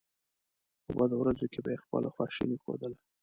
په بدو ورځو کې به یې خپله خواشیني ښودله.